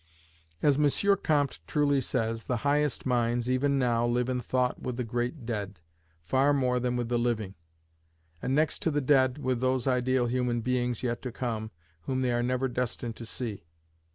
As M. Comte truly says, the highest minds, even now, live in thought with the great dead, far more than with the living; and, next to the dead, with those ideal human beings yet to come, whom they are never destined to see.